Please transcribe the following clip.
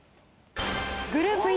グループ１。